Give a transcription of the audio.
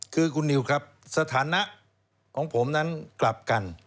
คือคุณนิวครับสถานะของผมนั้นกลับกัน